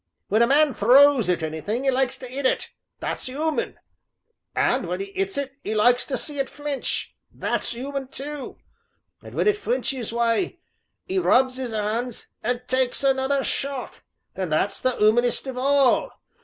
When a man throws at anything 'e likes to 'it it that's 'uman and when 'e 'its it 'e likes to see it flinch that's 'uman too, and when it flinches, why 'e rubs 'is 'ands, and takes another shot and that's the 'umanest of all.